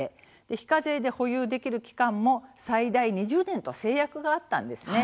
非課税で保有できる期間も最大２０年と制約があったんですね。